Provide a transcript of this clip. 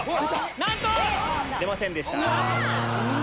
なんと‼出ませんでした。